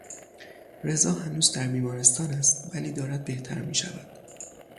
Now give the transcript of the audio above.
رضا هنوز در بیمارستان است ولی دارد بهتر میشود.